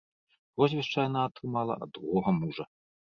Прозвішча яна атрымала ад другога мужа.